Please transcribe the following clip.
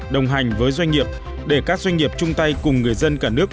đồng hành với doanh nghiệp để các doanh nghiệp chung tay cùng người dân cả nước